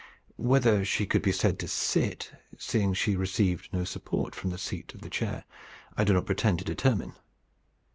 Whether she could be said to sit, seeing she received no support from the seat of the chair, I do not pretend to determine.